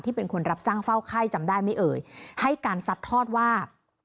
เป็นคนรับจ้างเฝ้าไข้จำได้ไม่เอ่ยให้การซัดทอดว่า